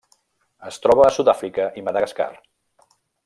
Es troba a Sud-àfrica i Madagascar.